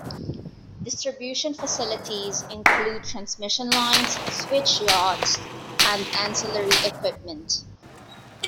Distribution facilities include transmission lines, switchyards and ancillary equipment.